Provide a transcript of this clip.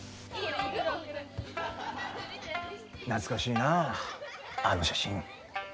懐かしいなあの写真。